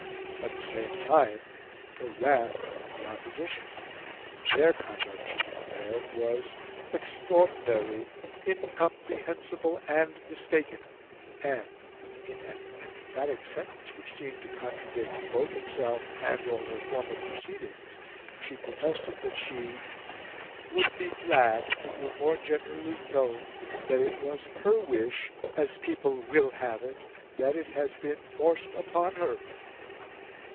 At the same time, her wrath fell on the Opposition. Their conduct, she declared, was "extraordinary, incomprehensible, and mistaken," and, in an emphatic sentence which seemed to contradict both itself and all her former proceedings, she protested that she "would be glad if it were more generally known that it was HER wish, as people WILL have it, that it has been FORCED UPON HER!"